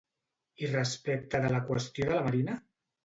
I respecte de la qüestió de la Marina?